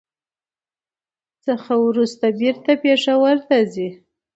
څخه ورورسته بېرته پېښور ته ځي.